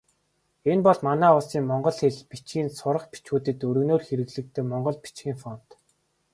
Энэ бол манай улсын монгол хэл, бичгийн сурах бичгүүдэд өргөнөөр хэрэглэдэг монгол бичгийн фонт.